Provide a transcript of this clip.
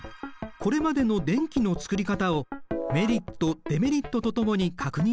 これまでの電気の作り方をメリット・デメリットと共に確認しよう。